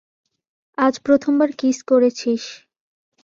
আজ প্রথমবার কিস করেছিস।